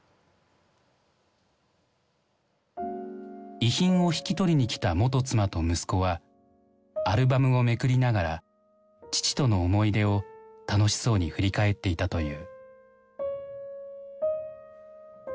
遺品を引き取りにきた元妻と息子はアルバムをめくりながら父との思い出を楽しそうに振り返っていたという。